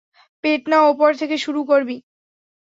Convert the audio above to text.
পেট না ওপর থেকে শুরু করবি?